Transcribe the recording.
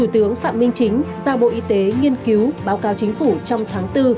do bộ y tế nghiên cứu báo cáo chính phủ trong tháng bốn